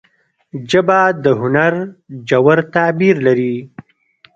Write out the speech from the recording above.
ژبه د هنر ژور تعبیر لري